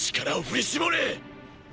力を振り絞れ！！